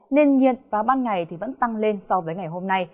nên nhiệt và ban ngày vẫn tăng lên so với ngày hôm nay